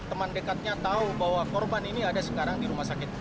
teman dekatnya tahu bahwa korban ini ada sekarang di rumah sakit